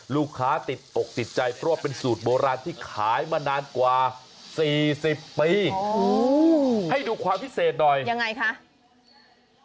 ลูกค้าติดอกติดใจเพราะว่าเป็นสูตรโบราณที่ขายมานานกว่า๔๐ปีให้ดูความพิเศษหน่อยยังไงคะ